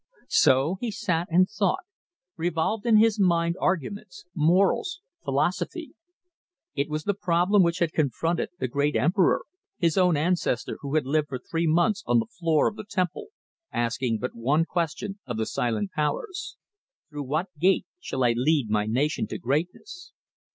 So he sat and thought, revolved in his mind arguments, morals, philosophy. It was the problem which had confronted the great Emperor, his own ancestor, who had lived for three months on the floor of the Temple, asking but one question of the Silent Powers: "Through what gate shall I lead my nation to greatness?"